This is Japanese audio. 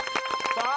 さあ